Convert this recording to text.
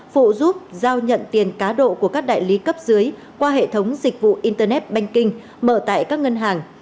phụ giúp giao nhận tiền cá độ của các đại lý cấp dưới qua hệ thống dịch vụ internet banking mở tại các ngân hàng